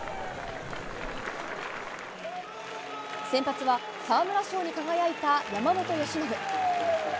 先発は沢村賞に輝いた山本由伸。